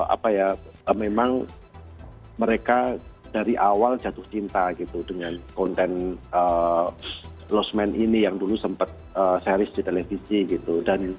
apa ya memang mereka dari awal jatuh cinta gitu dengan konten losman ini yang dulu sempat series di televisi gitu